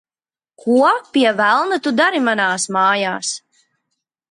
Ko, pie velna, tu dari manās mājās?